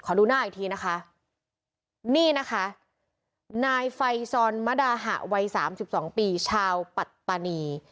ดูหน้าอีกทีนะคะนี่นะคะนายไฟซอนมดาหะวัยสามสิบสองปีชาวปัตตานี